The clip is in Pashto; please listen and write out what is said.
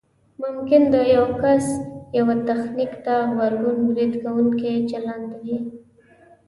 ممکن د یو کس یوه تخنیک ته غبرګون برید کوونکی چلند وي